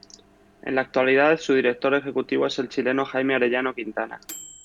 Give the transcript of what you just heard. En la actualidad, su Director Ejecutivo es el chileno Jaime Arellano Quintana.